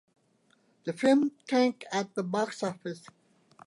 The film tanked at the box office.